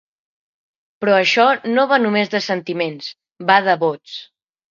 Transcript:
Però això no va només de sentiments, va de vots.